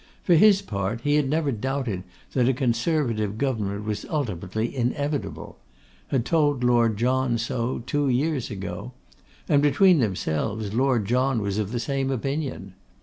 For his part, he had never doubted that a Conservative government was ultimately inevitable; had told Lord John so two years ago, and, between themselves, Lord John was of the same opinion.